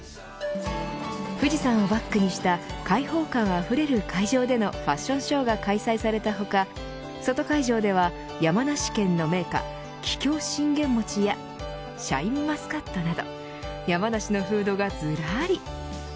富士山をバックにした開放感あふれる会場でのファッションショーが開催された他外会場では山梨県の銘菓桔梗信玄餅やシャインマスカットなど山梨のフードがずらり。